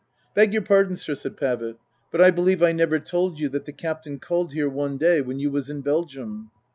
" Beg your pardon, sir," said Pavitt, " but I believe I never told you that the Captain called here one day when you was in Belgium."